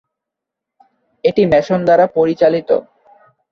এটি ম্যাসন দ্বারা পরিচালিত।